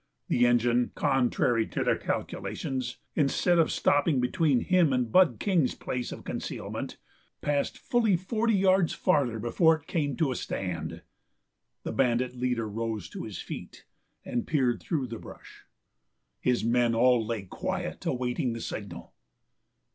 The engine, contrary to their calculations, instead of stopping between him and Bud King's place of concealment, passed fully forty yards farther before it came to a stand. The bandit leader rose to his feet and peered through the bush. His men all lay quiet, awaiting the signal.